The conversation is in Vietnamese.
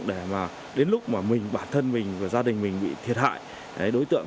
để đến lúc mà mình bản thân mình và gia đình mình bị thiệt hại đối tượng